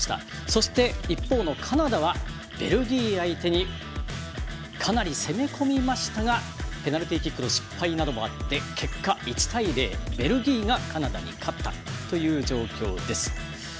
そして、一方のカナダはベルギー相手にかなり攻め込みましたがペナルティーキックの失敗などもあって結果、１対０、ベルギーがカナダに勝ったという状況です。